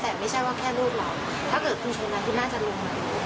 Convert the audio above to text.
แต่ไม่ใช่ว่าแค่ลูกเราถ้าเกิดคุณชนะคุณแม่จะลงมา